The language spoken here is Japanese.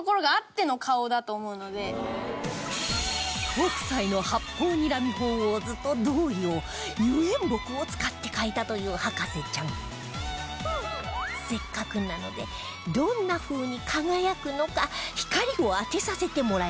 北斎の『八方睨み鳳凰図』と同様油煙墨を使って描いたという博士ちゃんせっかくなのでどんな風に輝くのか光を当てさせてもらいましょう